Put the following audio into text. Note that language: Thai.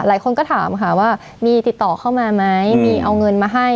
หลายคนก็ถามค่ะว่ามีติดต่อเข้ามาไหมมีเอาเงินมาให้